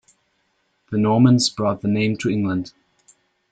The Normans brought the name to England.